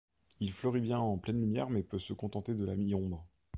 Il fleurit bien en pleine lumière, mais peut se contenter de la mi-ombre.